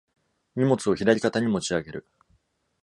荷物を左肩に持ち上げる。